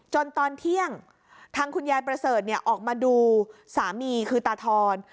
ตอนเที่ยงทางคุณยายประเสริฐออกมาดูสามีคือตาทอน